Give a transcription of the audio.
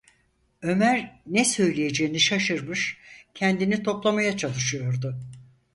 Ömer ne söyleyeceğini şaşırmış, kendini toplamaya çalışıyordu.